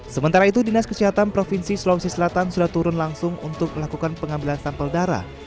sementara itu dinas kesehatan provinsi sulawesi selatan sudah turun langsung untuk melakukan pengambilan sampel darah